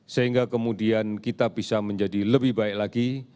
sehingga kemudian kita bisa menjadi lebih baik lagi